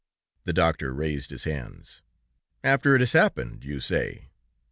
The doctor raised his hands. "After it has happened, you say!